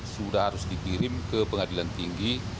sudah harus dikirim ke pengadilan tinggi